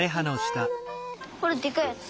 これでかいやつ。